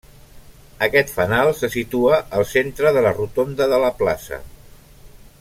Aquest fanal se situa al centre de la rotonda de la plaça.